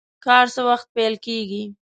کار څه وخت پیل کیږي؟